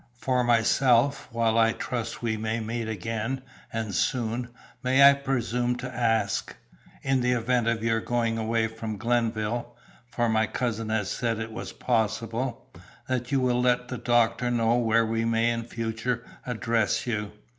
For myself, while I trust we may meet again, and soon, may I presume to ask in the event of your going away from Glenville, for my cousin has said it was possible that you will let the doctor know where we may in future address you?